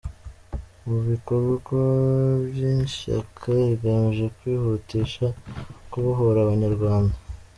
mu bikorwa by’Ishyaka bigamije kwihutisha kubohora abanyarwanda